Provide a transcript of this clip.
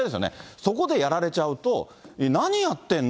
そこでやられちゃうと、えっ、何やってんの？